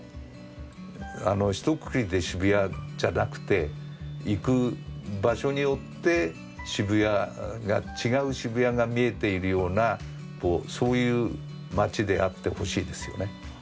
ひとくくりで渋谷じゃなくて行く場所によって渋谷が違う渋谷が見えているようなそういう街であってほしいですよね。